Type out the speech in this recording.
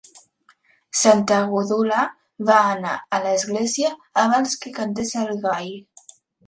Santa Gúdula va anar a l'església abans que cantés el gall.